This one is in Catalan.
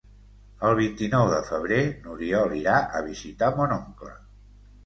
El vint-i-nou de febrer n'Oriol irà a visitar mon oncle.